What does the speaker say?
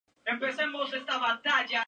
El primer impresor fue "Imp.